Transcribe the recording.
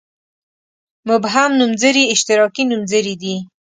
مبهم نومځري اشتراکي نومځري دي.